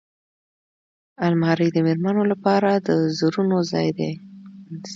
الماري د مېرمنو لپاره د زرونو ځای دی